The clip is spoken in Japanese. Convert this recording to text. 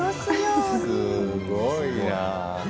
すごいなあ。